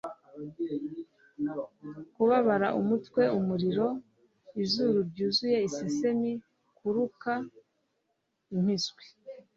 kubabara umutwe, umuriro, izuru ryuzuye, isesemi, kuruka, impiswi.